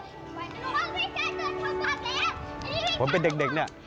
ด้วยนึงด้วยนึงผมเป็นเด็กนะ